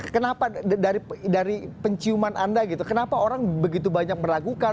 kenapa dari penciuman anda gitu kenapa orang begitu banyak meragukan